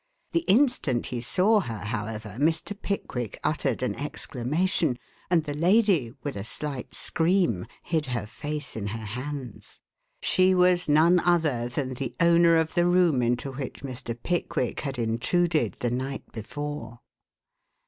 The instant he saw her, however, Mr. Pickwick uttered an exclamation, and the lady, with a slight scream, hid her face in her hands. She was none other than the owner of the room into which Mr. Pickwick had intruded the night before.